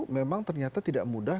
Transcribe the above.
memang ternyata tidak mudah